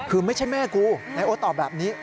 คือไม่ใช่แม่กูนายโอ๊ตตอบแบบนี้